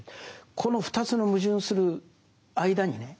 この２つの矛盾する間にね